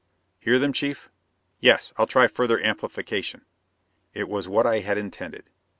"Hear them, Chief?" "Yes. I'll try further amplification." It was what I had intended.